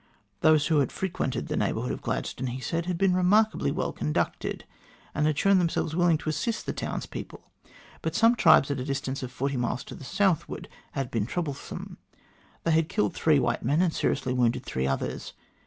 Those who had frequented the neighbourhood of Gladstone, he said, had been remarkably well conducted, and had shown them selves willing to assist the townspeople, but some tribes at a distance of forty miles to the southward had been troublesome. They had killed three white men, and seriously wounded three others.